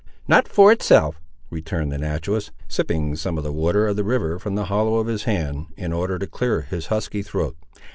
"Not for itself," returned the naturalist, sipping some of the water of the river from the hollow of his hand, in order to clear his husky throat.